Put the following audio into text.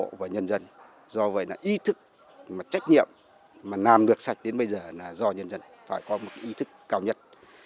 các bộ và nhân dân do vậy là ý thức trách nhiệm mà làm được sạch đến bây giờ là do nhân dân phải có ý thức cao nhất